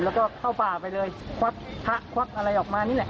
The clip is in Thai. แล้วก็เข้าป่าไปเลยควักพระควักอะไรออกมานี่แหละ